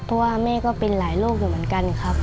เพราะว่าแม่ก็เป็นหลายโรคอยู่เหมือนกันครับ